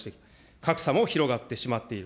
格差も広がってしまっている。